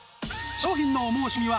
商品のお申し込みは。